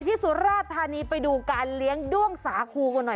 สุราธานีไปดูการเลี้ยงด้วงสาคูกันหน่อย